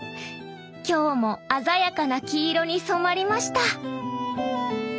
今日も鮮やかな黄色に染まりました！